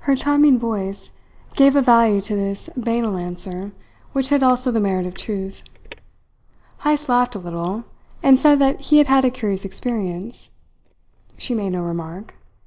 Her charming voice gave a value to this banal answer, which had also the merit of truth. Heyst laughed a little, and said that he had had a curious experience. She made no remark.